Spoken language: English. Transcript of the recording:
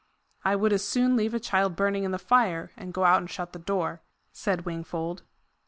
"I would as soon leave a child burning in the fire, and go out and shut the door," said Wingfold.